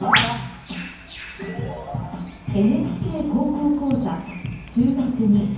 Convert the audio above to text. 「ＮＨＫ高校講座数学Ⅱ」。